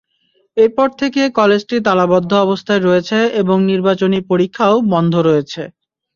এরপর থেকে কলেজটি তালাবদ্ধ অবস্থায় রয়েছে এবং নির্বাচনী পরীক্ষাও বন্ধ রয়েছে।